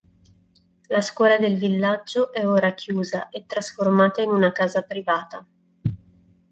La scuola del villaggio è ora chiusa e trasformata in una casa privata.